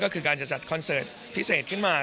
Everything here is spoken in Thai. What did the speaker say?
ก็คือการจะจัดคอนเสิร์ตพิเศษขึ้นมา